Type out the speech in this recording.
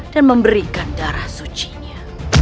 dan memberikan darah sucinya